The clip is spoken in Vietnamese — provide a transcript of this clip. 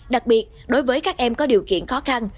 đặc biệt đối với các em có điều kiện khó khăn